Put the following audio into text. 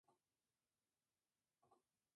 Lo sustituyó Domingos Simões Pereira.